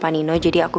udah ke kamar dulu